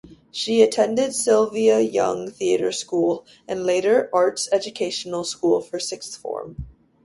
She attended Sylvia Young Theatre School and later Arts Educational School for Sixth Form.